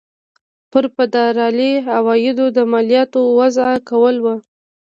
پر فدرالي عوایدو د مالیاتو وضع کول وو.